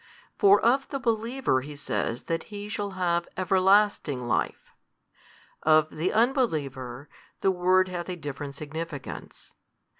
For of the believer he says that he shall have everlasting life, of the unbeliever, the word hath a different significance.